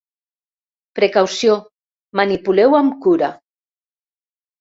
Precaució, manipuleu amb cura.